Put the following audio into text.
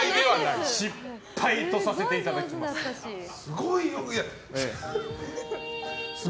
失敗とさせていただきます。